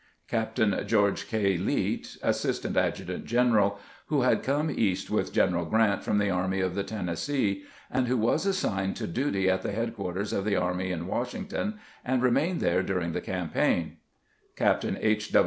Captain George K. Leet, assistant adjutant general, who had come East with General Grant from the Army of the Tennessee, and who was assigned to duty at the headquarters of the army in Washington, and remained there during the campaign. Captain H.